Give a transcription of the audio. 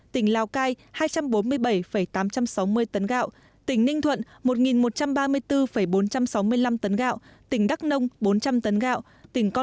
tỉnh ninh thuận một một trăm ba mươi bốn bốn trăm sáu mươi năm tấn gạo tỉnh đắk nông bốn trăm linh tấn gạo tỉnh con tum năm trăm bảy mươi chín trăm năm mươi tấn gạo tỉnh yên bái ba tấn gạo